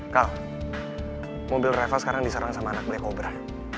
kal mobil reva sekarang disarang sama anak black cobra